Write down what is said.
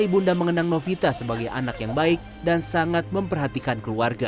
ibunda mengenang novita sebagai anak yang baik dan sangat memperhatikan keluarga